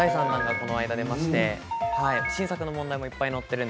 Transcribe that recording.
この間、出ました新作の問題もいっぱい載っています。